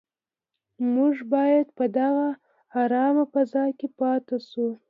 موږ باید په دغه ارامه فضا کې پاتې شو.